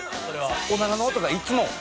おならの音がいつも「ブッ！」。